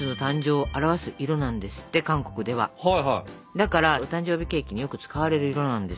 だからお誕生日ケーキによく使われる色なんですよ。